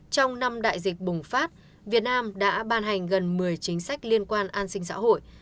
trong năm đại dịch bùng phát việt nam đã ban hành gần một mươi chính sách liên quan an sinh xã hội